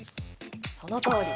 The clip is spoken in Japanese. そのとおり！